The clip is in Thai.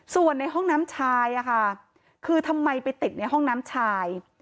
ส่วนในห้องน้ำชายคือทำไมไปติดในห้องน้ำชาย